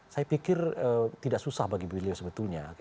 saya pikir tidak susah bagi beliau sebetulnya